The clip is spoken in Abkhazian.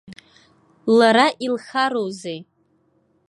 Лара илхароузеи!